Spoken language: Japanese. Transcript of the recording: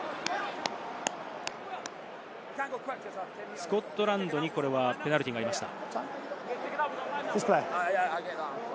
スコットランドに、これはペナルティーがありました。